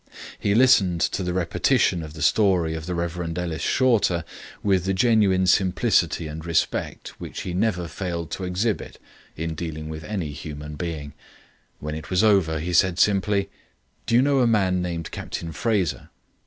He listened to the repetition of the story of the Rev. Ellis Shorter with the genuine simplicity and respect which he never failed to exhibit in dealing with any human being. When it was over he said simply: "Do you know a man named Captain Fraser?"